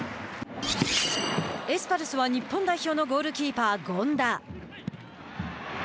エスパルスは日本代表のゴールキーパー権田。